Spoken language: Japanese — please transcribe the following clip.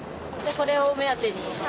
これを目当てに？